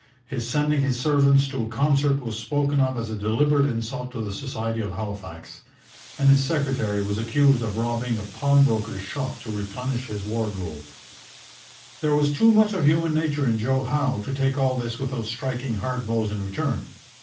His sending his servants to a concert was spoken of as a deliberate insult to the society of Halifax; and his secretary was accused of robbing a pawnbroker's shop to replenish his wardrobe. There was too much of human nature in Joe Howe to take all this without striking hard blows in return.